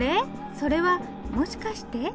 それはもしかして。